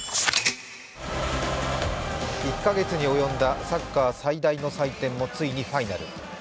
１か月に及んだサッカー最大の祭典もついにファイナル。